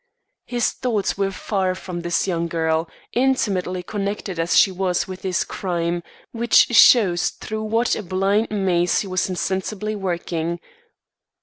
His thoughts were far from this young girl, intimately connected as she was with this crime; which shows through what a blind maze he was insensibly working.